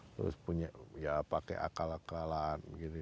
terus punya ya pakai akal akalan gitu